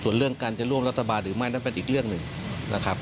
ส่วนเรื่องการจะร่วมรัฐบาลหรือไม่นั้นเป็นอีกเรื่องหนึ่งนะครับ